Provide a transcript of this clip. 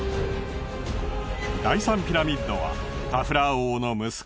第３ピラミッドはカフラー王の息子